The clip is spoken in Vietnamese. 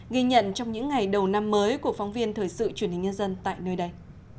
ghi nhận trong những ngày đầu năm mới của phóng viên thời sự truyền hình nhân dân tại nơi đây